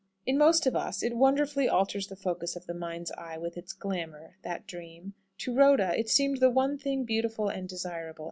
In most of us it wonderfully alters the focus of the mind's eye with its glamour, that dream. To Rhoda it seemed the one thing beautiful and desirable.